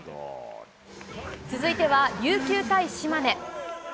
続いては、琉球対島根。